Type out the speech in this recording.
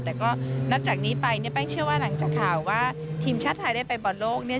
แต่ก็นับจากนี้ไปเนี่ยแป้งเชื่อว่าหลังจากข่าวว่าทีมชาติไทยได้ไปบอลโลกเนี่ย